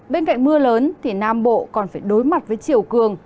bên cạnh mưa lớn thì nam bộ còn phải đối mặt với chiều cường